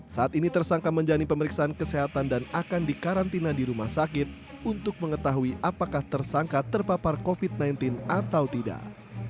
saat ini tersangka menjalani pemeriksaan kesehatan dan akan dikarantina di rumah sakit untuk mengetahui apakah tersangka terpapar covid sembilan belas atau tidak